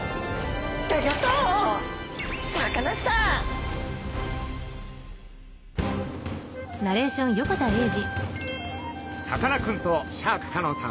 さかなクンとシャーク香音さん